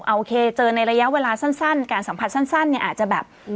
โอเคเจอในระยะเวลาสั้นการสัมผัสสั้นเนี่ยอาจจะแบบ